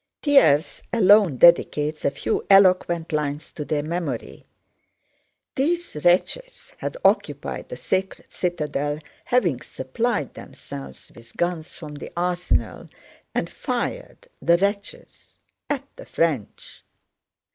Thiers alone dedicates a few eloquent lines to their memory: "These wretches had occupied the sacred citadel, having supplied themselves with guns from the arsenal, and fired" (the wretches) "at the French.